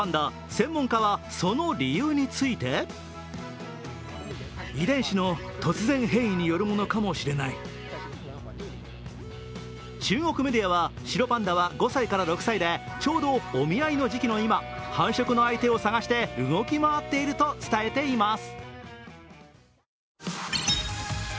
専門家はその理由について中国メディアは、白パンダは５歳から６歳でちょうどお見合いの時期の今繁殖の相手を探して動き回っていると伝えています。